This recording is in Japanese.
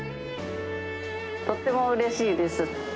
とってもうれしいです。